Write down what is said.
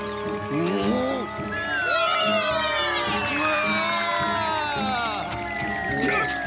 うわ！